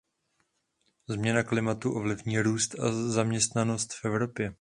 Změna klimatu ovlivní růst a zaměstnanost v Evropě.